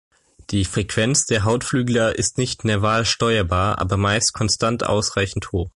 Die Frequenz der Hautflügler ist nicht nerval steuerbar, aber meist konstant ausreichend hoch.